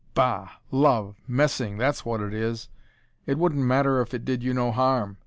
"Bah, love! Messing, that's what it is. It wouldn't matter if it did you no harm.